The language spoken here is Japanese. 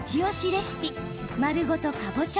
レシピ丸ごとかぼちゃ